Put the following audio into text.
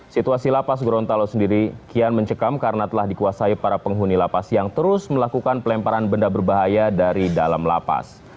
situasi lapas gorontalo sendiri kian mencekam karena telah dikuasai para penghuni lapas yang terus melakukan pelemparan benda berbahaya dari dalam lapas